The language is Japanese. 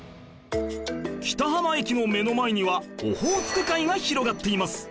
北浜駅の目の前にはオホーツク海が広がっています